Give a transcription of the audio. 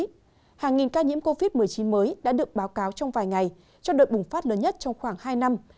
nhiều nghìn ca nhiễm covid một mươi chín mới đã được báo cáo trong vài ngày trong đợt bùng phát lớn nhất trong khoảng hai năm